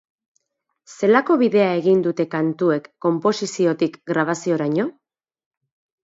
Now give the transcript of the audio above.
Zelako bidea egin dute kantuek konposiziotik grabazioraino?